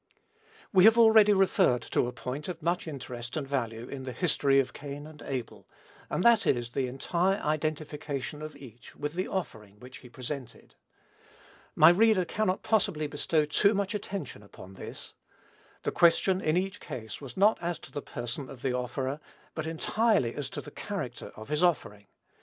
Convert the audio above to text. We have already referred to a point of much interest and value in the history of Cain and Abel, and that is, the entire identification of each with the offering which he presented. My reader cannot possibly bestow too much attention upon this. The question, in each case, was not as to the person of the offerer; but entirely as to the character of his offering.